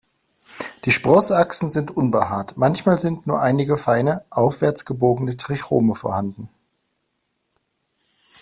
Die Sprossachsen sind unbehaart, manchmal sind nur einige feine, aufwärts gebogene Trichome vorhanden.